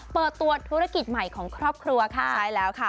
เปิดตัวธุรกิจใหม่ของครอบครัวค่ะใช่แล้วค่ะ